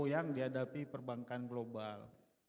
yang dihadapi perbankan global